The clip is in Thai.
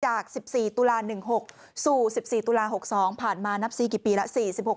จาก๑๔ตุลา๑๖สู่๑๔ตุลา๖๒ผ่านมานับ๔กี่ปีแล้ว